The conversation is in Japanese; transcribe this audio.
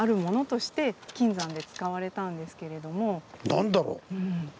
何だろう？